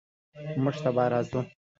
She's allergic to shellfish.